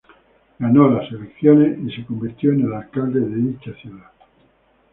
Ganó las elecciones y se convirtió en el alcalde de dicha ciudad.